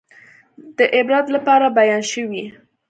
د عبرت لپاره بیان شوي.